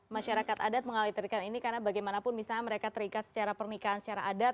masyarakat adat mengalirkan ini karena bagaimanapun misalnya mereka terikat secara pernikahan secara adat